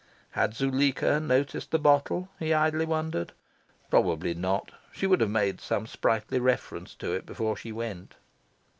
Had Zuleika noticed the bottle? he idly wondered. Probably not. She would have made some sprightly reference to it before she went.